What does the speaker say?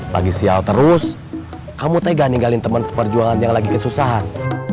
lagi sial terus kamu tega ninggalin teman seperjuangan yang lagi kesusahan